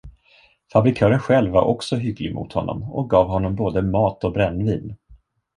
Fabrikören själv var också hygglig mot honom och gav honom både mat och brännvin.